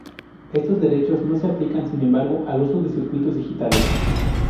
Estos derechos no se aplican, sin embargo, al uso de circuitos digitales.